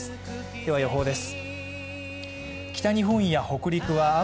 では予報です。